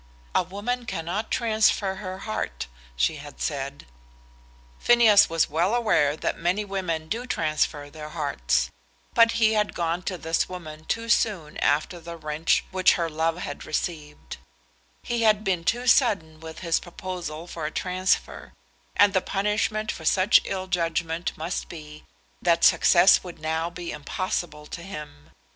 "A woman cannot transfer her heart," she had said. Phineas was well aware that many women do transfer their hearts; but he had gone to this woman too soon after the wrench which her love had received; he had been too sudden with his proposal for a transfer; and the punishment for such ill judgment must be that success would now be impossible to him.